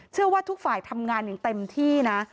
เชื่อว่าทุกฝ่ายทำงานอย่างเต็มที่นะ